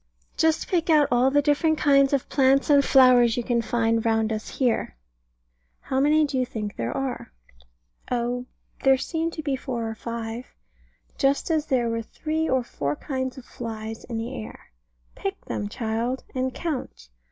Just pick out all the different kinds of plants and flowers you can find round us here. How many do you think there are? Oh there seem to be four or five. Just as there were three or four kinds of flies in the air. Pick them, child, and count.